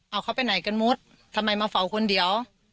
เอาเขาไปไหนกันหมดทำไมมาเฝ้าคนเดียว